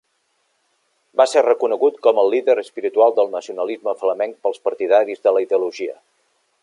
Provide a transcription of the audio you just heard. Va ser reconegut com el líder espiritual del nacionalisme flamenc pels partidaris de la ideologia.